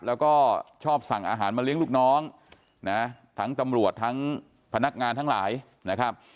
แล้วก็ชอบสั่งอาหารมาเลี้ยงลูกน้องนะทั้งตำรวจทั้งพนักงานทั้งหลายนะครับ